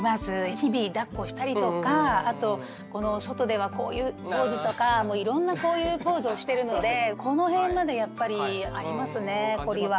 日々だっこしたりとかあと外ではこういうポーズとかもういろんなこういうポーズをしてるのでこの辺までやっぱりありますね凝りは。